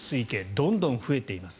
どんどん増えています。